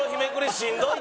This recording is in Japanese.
しんどい！